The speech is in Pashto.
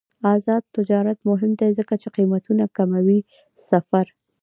آزاد تجارت مهم دی ځکه چې قیمتونه کموي سفر.